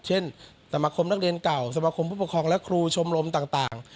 เช่นสมาคมนักเรียนเก่าสมาคมผู้ปกครองและครูชมรมต่าง